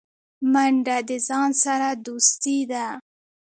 منډه د ځان سره دوستي ده